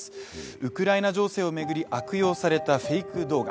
ウクライナ情勢を巡り悪用されたフェイク動画。